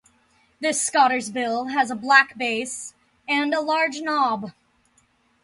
This scoter's bill has a black base and a large knob.